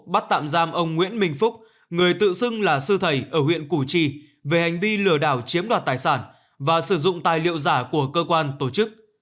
bắt tạm giam ông nguyễn minh phúc người tự xưng là sư thầy ở huyện củ chi về hành vi lừa đảo chiếm đoạt tài sản và sử dụng tài liệu giả của cơ quan tổ chức